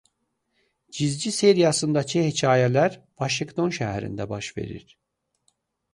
Cizgi seriyasındakı hekayələr Vaşinqton şəhərində baş verir.